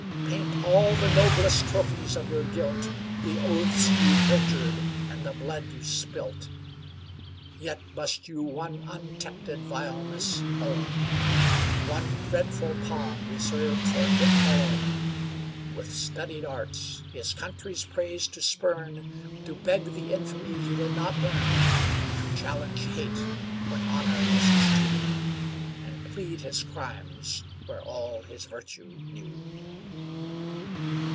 Paint all the noblest trophies of your guilt, The oaths you perjured, and the blood you spilt; Yet must you one untempted vileness own, One dreadful palm reserved for him alone: With studied arts his country's praise to spurn, To beg the infamy he did not earn, To challenge hate when honor was his due, And plead his crimes where all his virtue knew.